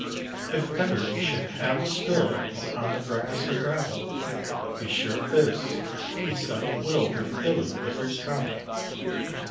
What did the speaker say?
If ever he should have a "spill" Upon the grass or gravel, Be sure of this, the saddle will With Billy Vickers travel.